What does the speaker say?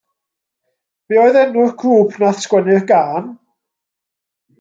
Be oedd enw'r grŵp nath sgwennu'r gân?